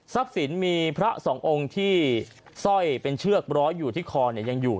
ทรัพย์สินมีพระสององค์ที่สร้อยเป็นเชือกบร้อยอยู่ที่คอยังอยู่